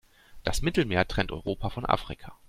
Das Mittelmeer trennt Europa von Afrika.